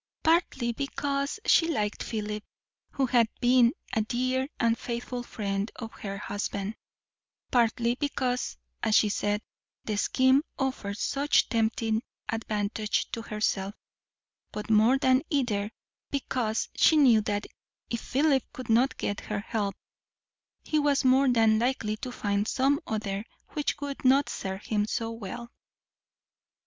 Partly because she liked Philip, who had been a dear and faithful friend of her husband; partly because, as she said, the scheme offered such tempting advantage to herself; but more than either, because she knew that if Philip could not get her help he was more than likely to find some other which would not serve him so well.